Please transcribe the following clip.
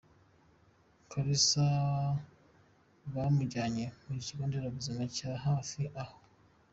Kalisa bamujyanye ku kigo nderabuzima cya hafi aha.